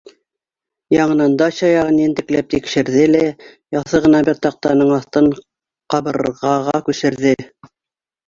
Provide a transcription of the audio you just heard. Яңынан дача яғын ентекләп тикшерҙе лә яҫы ғына бер таҡтаның аҫтын ҡабырғаға күсерҙе: